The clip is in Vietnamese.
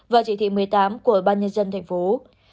và chỉ thị một mươi tám của bnd tp hcm